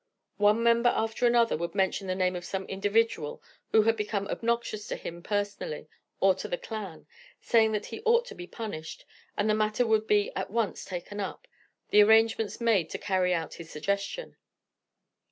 One member after another would mention the name of some individual who had become obnoxious to him personally, or to the Klan, saying that he ought to be punished; and the matter would be at once taken up, and arrangements made to carry out his suggestion.